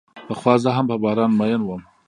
پخوا زه هم په باران مئین وم.